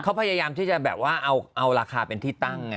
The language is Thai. เขาพยายามที่จะแบบว่าเอาราคาเป็นที่ตั้ง